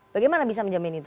bagaimana bisa menjamin itu